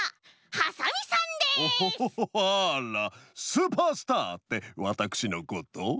スーパースターってわたくしのこと？